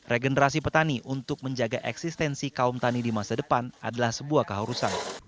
regenerasi petani untuk menjaga eksistensi kaum tani di masa depan adalah sebuah keharusan